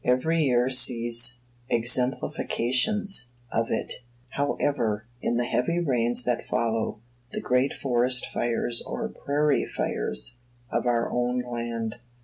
Every year sees exemplifications of it, however, in the heavy rains that follow the great forest fires or prairie fires of our own land.